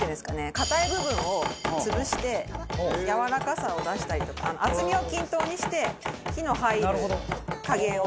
硬い部分を潰してやわらかさを出したりとか厚みを均等にして火の入る加減を等しくしていく感じ。